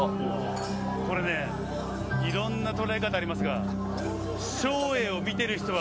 これねいろんな捉え方ありますが照英を見てる人は